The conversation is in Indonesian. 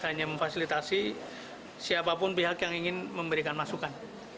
hanya memfasilitasi siapapun pihak yang ingin memberikan masukan